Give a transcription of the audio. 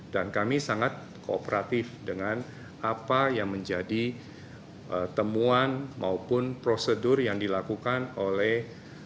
dan kami sangat kooperatif dengan apa yang menjadi temuan maupun prosedur yang dilakukan oleh